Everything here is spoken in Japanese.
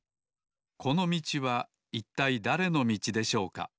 このみちはいったいだれのみちでしょうか？